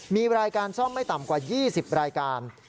มีรายการซ่อมไม่ต่ำกว่า๒๐รายการ